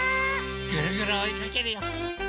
ぐるぐるおいかけるよ！